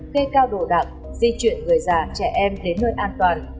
kê cao đồ đặn di chuyển người già trẻ em đến nơi an toàn